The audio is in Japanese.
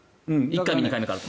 １回目、２回目で。